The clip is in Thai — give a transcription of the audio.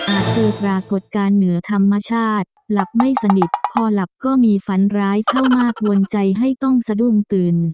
เจอปรากฏการณ์เหนือธรรมชาติหลับไม่สนิทพอหลับก็มีฝันร้ายเข้ามากวนใจให้ต้องสะดุ้งตื่น